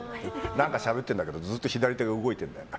何かしゃべってるんだけどずっと左手動いてるんだよな。